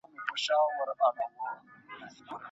خطاطي ژر نه زده کېږي.